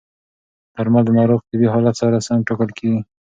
درمل د ناروغ طبي حالت سره سم ټاکل کېږي.